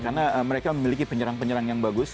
karena mereka memiliki penyerang penyerang yang bagus